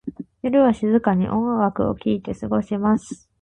夜は静かに音楽を聴いて過ごします。